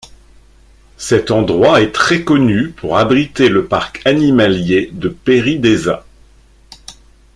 Cet endroit est très connu pour abriter le parc animalier de Pairi Daiza.